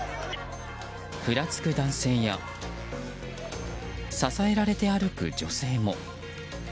ふらつく男性や支えられて歩く女性も。